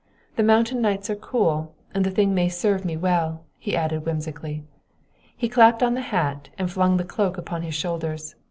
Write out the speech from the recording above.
The mountain nights are cool, and the thing may serve me well," he added whimsically. He clapped on the hat and flung the cloak upon his shoulders.